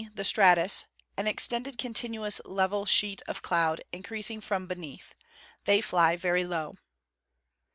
The Stratus, an extended continuous level sheet of cloud, increasing from beneath. They fly very low.